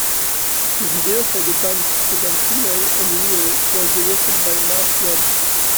The video for the band's second single, "Unreal", was directed by Marc Webb.